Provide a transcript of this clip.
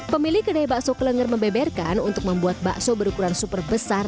pemilik kedai bakso kelenger membeberkan untuk membuat bakso berukuran super besar